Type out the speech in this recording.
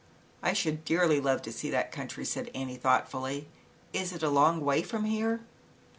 "I should dearly love to see that country," said Annie, thoughtfully. "Is it a long way from here?"